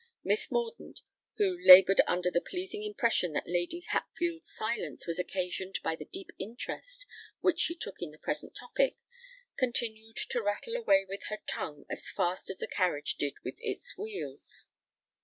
Miss Mordaunt, who laboured under the pleasing impression that Lady Hatfield's silence was occasioned by the deep interest which she took in the present topic, continued to rattle away with her tongue as fast as the carriage did with its wheels.